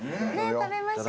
食べましょう。